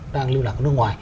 đang lưu lạc ở nước ngoài